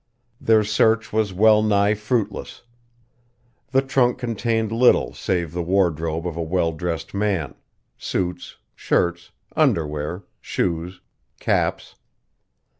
Their search was well nigh fruitless. The trunk contained little save the wardrobe of a well dressed man suits, shirts, underwear, shoes, caps.